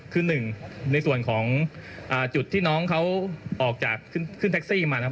คือหนึ่งในส่วนของจุดที่น้องเขาออกจากขึ้นแท็กซี่มานะครับ